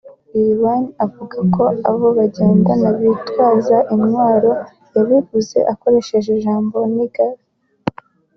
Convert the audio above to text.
Lil Wayne avuga ko abo bagendana bitwaza intwaro yabivuze akoresheje ijambo ’Niggas’